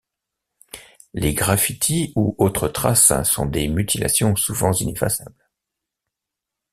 Les graffitis ou autres traces sont des mutilations souvent ineffaçables.